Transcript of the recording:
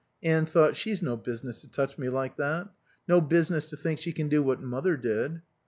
Anne thought: "She's no business to touch me like that. No business to think she can do what mother did."